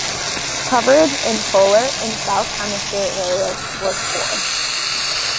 Coverage in polar and south-hemisphere areas was poor.